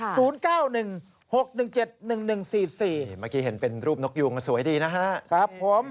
เมื่อกี้เห็นเป็นรูปนกยูงสวยดีนะครับผม